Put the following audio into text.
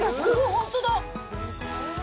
本当だ。